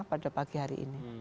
pada pagi hari ini